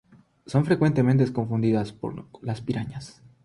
Son frecuentemente confundidas con las Pirañas.